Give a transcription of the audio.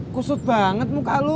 kusut banget muka lo